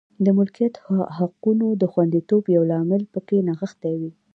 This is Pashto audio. د ملکیت حقونو د خوندیتوب یو لامل په کې نغښتې وې.